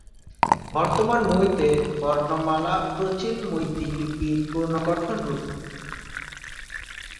বর্তমান মৈতৈ বর্ণমালা প্রাচীন মৈতৈ লিপির পুনর্গঠিত রূপ।